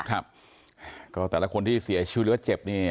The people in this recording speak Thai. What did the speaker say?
ครับก็แต่ละคนที่เสียชีวิตหรือว่าเจ็บเนี่ย